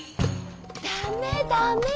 ダメダメ。